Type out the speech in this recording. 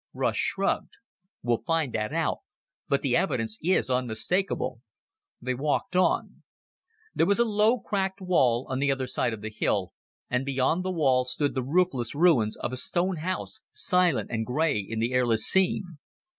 Russ shrugged. "We'll find that out. But the evidence is unmistakable." They walked on. There was a low, cracked wall on the other side of the hill, and beyond the wall stood the roofless ruins of a stone house, silent and gray in the airless scene.